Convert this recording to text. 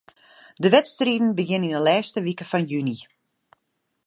De wedstriden begjinne yn 'e lêste wike fan juny.